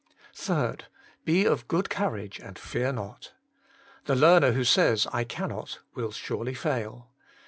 3. Be of good courage, and fear not. The learner who says I cannot, will surely fail.